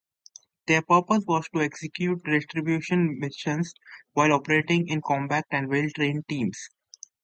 Their purpose was to execute retribution missions while operating in compact and well-trained teams.